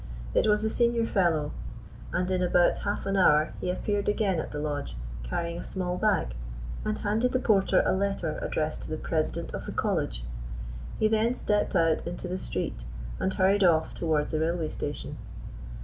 It was the Senior Fellow, and in about half an hour he appeared again at the lodge, carrying a small bag, and handed the porter a letter addressed to the President of the College. He then stepped out into the street, and hurried off towards the railway station.